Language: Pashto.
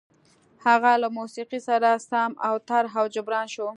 هغه له موسيقۍ سره سم اوتر او حيران شو.